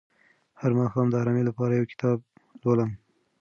هر ماښام د ارامۍ لپاره یو کتاب لولم.